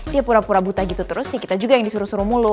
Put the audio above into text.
dia pura pura buta gitu terus sih kita juga yang disuruh suruh mulu